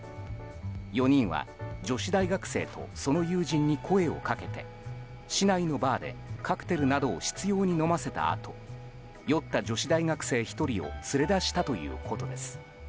４人は女子大学生とその友人に声をかけて市内のバーでカクテルなどを執拗に飲ませたあと酔った女子大学生１人を連れ出したということです。